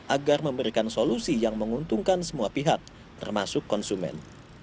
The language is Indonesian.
agar memberikan solusi yang menguntungkan semua pihak termasuk konsumen